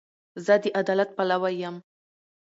زه د عدالت پلوی یم.